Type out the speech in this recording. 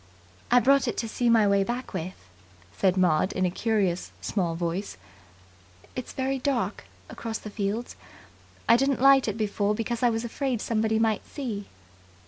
"I brought it to see my way back with," said Maud in a curious, small voice. "It's very dark across the fields. I didn't light it before, because I was afraid somebody might see."